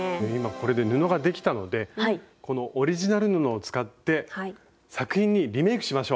これで布ができたのでこのオリジナル布を使って作品にリメイクしましょう！